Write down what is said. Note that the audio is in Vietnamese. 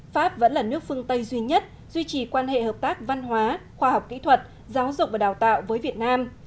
pháp vẫn là nước phương tây duy nhất duy trì quan hệ hợp tác văn hóa khoa học kỹ thuật giáo dục và đào tạo với việt nam